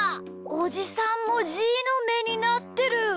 おじさんもじーのめになってる！